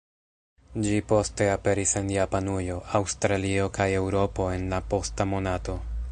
Ĝi poste aperis en Japanujo, Aŭstralio kaj Eŭropo en la posta monato.